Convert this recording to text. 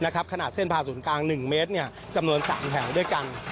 ขนาดเส้นผ่าศูนย์กลาง๑เมตรจำนวน๓แถวด้วยกัน